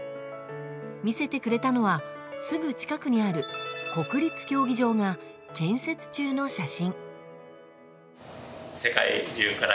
見せてくれたのはすぐ近くにある、国立競技場が建設中の写真。